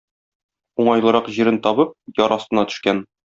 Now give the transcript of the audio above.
Уңайлырак җирен табып, яр астына төшкән.